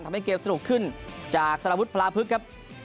ทำให้เกมสนุกขึ้นจากสารวุฒิพลาพึกครับ